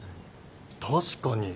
確かに。